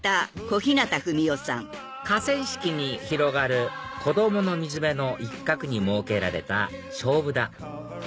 河川敷に広がる子どもの水辺の一角に設けられたしょうぶ田